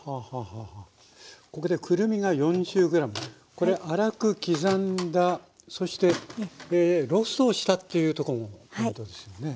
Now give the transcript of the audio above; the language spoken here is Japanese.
これ粗く刻んだそしてローストをしたっていうとこもポイントですよね。